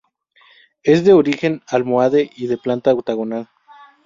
Es de origen almohade y de planta octogonal.